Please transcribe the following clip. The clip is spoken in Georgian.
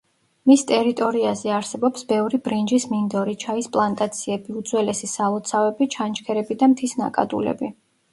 მის ტერიტორიაზე არსებობს ბევრი ბრინჯის მინდორი, ჩაის პლანტაციები, უძველესი სალოცავები, ჩანჩქერები და მთის ნაკადულები.